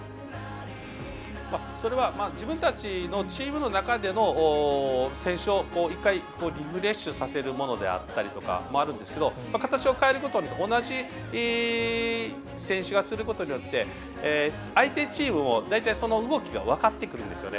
それは、自分たちのチームの中での、選手を１回リフレッシュさせるものであったりとかもあるんですけど形を変えることによって同じ選手がすることによって相手チームが大体、その動きが分かってくるんですよね。